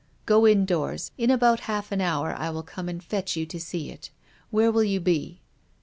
Go indoors. In about half an hour I will come and fetch you to see it. Where will you be